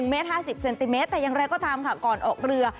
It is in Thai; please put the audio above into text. เมตร๕๐เซนติเมตรแต่อย่างไรก็ตามค่ะก่อนออกเรือ